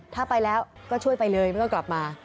ถ้าไปแล้วก็ช่วยไปเลยไม่ต้องกลับมา